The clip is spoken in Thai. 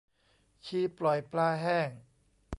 ชีปล่อยปลาแห้ง